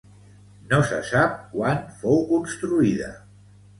No se sap quan fou construïda.